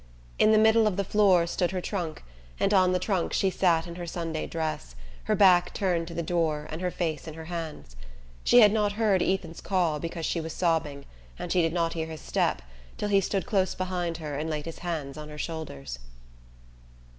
In the middle of the floor stood her trunk, and on the trunk she sat in her Sunday dress, her back turned to the door and her face in her hands. She had not heard Ethan's call because she was sobbing and she did not hear his step till he stood close behind her and laid his hands on her shoulders.